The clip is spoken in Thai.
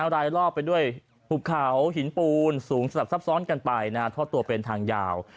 รายรอบไปด้วยหุบเขาหินปูนสูงสลับซับซ้อนกันไปทอดตัวเป็นทางยาว